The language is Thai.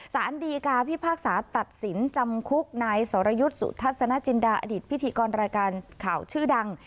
สารดีกาพิพากษาตัดสินจำคุกนายสรยุทธ์สุทัศนจินดาอดีตพิธีกรรายการข่าวชื่อดัง